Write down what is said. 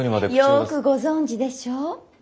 よくご存じでしょ？